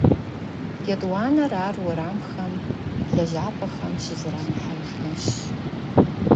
Етӏуанэр ар уэрамхэм, лэжьапӏэхэм щызэрамыхьэжмэщ.